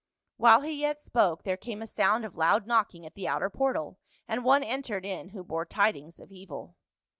" While he yet spoke, there came a sound of loud knocking at the outer portal, and one entered in who bore tidings of evil.